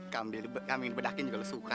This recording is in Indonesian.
kamu yang bedakin juga lo suka